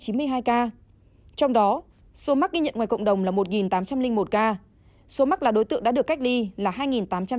trong đó số mắc ghi nhận ngoài cộng đồng là một tám trăm linh một ca số mắc là đối tượng đã được cách ly là hai tám trăm tám mươi bảy